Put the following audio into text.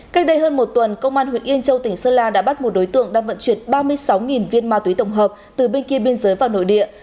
cách đây hơn một tuần công an huyện yên châu tỉnh sơn la đã bắt một đối tượng đang vận chuyển ba mươi sáu viên ma túy tổng hợp từ bên kia biên giới vào nội địa